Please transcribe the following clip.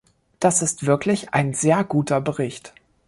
Das ist wirklich ein sehr guter Bericht.